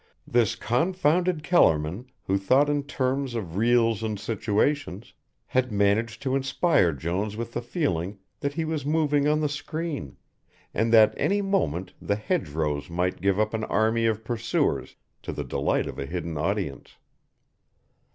This confounded Kellerman who thought in terms of reels and situations, had managed to inspire Jones with the feeling that he was moving on the screen, and that any moment the hedgerows might give up an army of pursuers to the delight of a hidden audience.